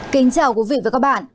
kính chào quý vị và các bạn